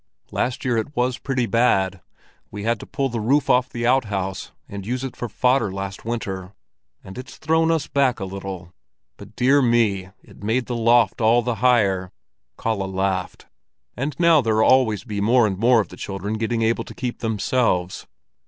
"Last year it was pretty bad. We had to pull the roof off the outhouse, and use it for fodder last winter; and it's thrown us back a little. But dear me, it made the loft all the higher." Kalle laughed. "And now there'll always be more and more of the children getting able to keep themselves."